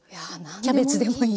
キャベツでもいいし。